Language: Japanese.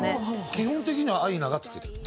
基本的にはアイナが付けてたの？